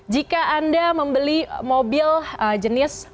jika anda membeli mobil jenis sedan yang biasa diperoleh